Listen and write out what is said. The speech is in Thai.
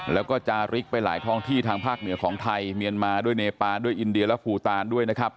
แล้วก็จาริกไปหลายท้องที่ทางภาคเหนือของไทยเมียนมาด้วยเนปานด้วยอินเดียและภูตานด้วยนะครับ